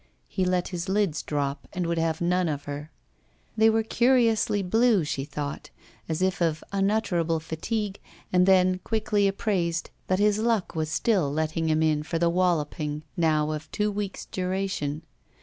He let his Uds drop and would have none of her. They were curiously blue, she thought, as if of unutterable fatigue, and then quickly appraised that his luck was still letting him in for the walloping now of two weeks' duration.